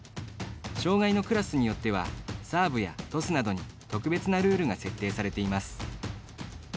障がいのクラスによってはサーブやトスなどに特別なルールが設定されています。